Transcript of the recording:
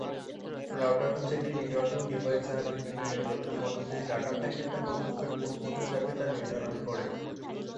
Router হচ্ছে একটি networking device যা বিভিন্ন নেটওয়ার্কের মধ্য দিয়ে ডাটা প্যাকেট তার গন্তব্যে কোন পথে যাবে তা নির্ধারণ করে।